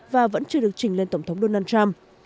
và vẫn chưa được trình lên tổng thống donald trump